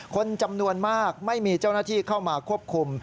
คนจำนวนมากไม่มีเจ้าหน้าที่เข้ามาควบคุม